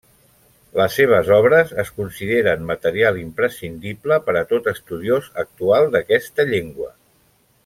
Les seves obres es consideren material imprescindible per a tot estudiós actual d'aquesta llengua.